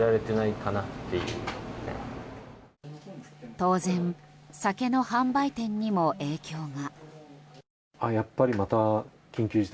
当然、酒の販売店にも影響が。